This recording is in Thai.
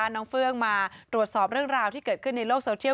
เฟื่องมาตรวจสอบเรื่องราวที่เกิดขึ้นในโลกโซเชียล